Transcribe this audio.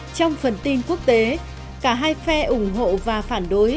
trong phần tin quốc tế cả hai phe ủng hộ và phản đối